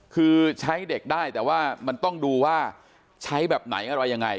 คือใช้เด็กได้แต่ว่ามันต้องดูว่าใช้แบบไหนอะไรยังไง